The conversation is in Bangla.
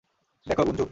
দেখ, গুঞ্জু।